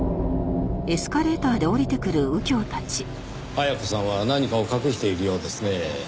絢子さんは何かを隠しているようですねぇ。